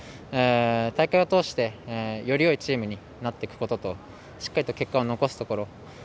大会を通してよりよいチームになっていくことしっかりと結果を残すところ。